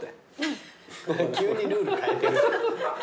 急にルール変えて。